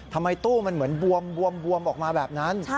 ทำไมตู้มันเหมือนบวมออกมาแบบนั้น